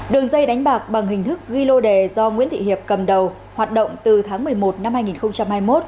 đường dây đánh bạc bằng hình thức ghi lô đề do nguyễn thị hiệp cầm đầu hoạt động từ tháng một mươi một năm hai nghìn hai mươi một